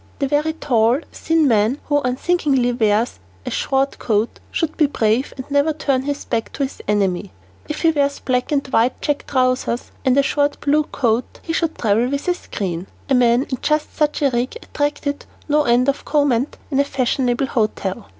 The very tall, thin man who unthinkingly wears a very short coat should be brave and never turn his back to his enemy. [Illustration: NO. 89] If he wears black and white check trousers and a short blue coat, he should travel with a screen. A man in just such a rig attracted no end of comment in a fashionable hotel.